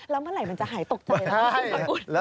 แล้วเมื่อไหร่มันจะหายตกใจแล้ว